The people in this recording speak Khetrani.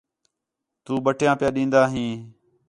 تو بٹیاں پیا ڈیندا ھیں